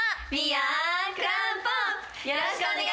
よろしくお願いします。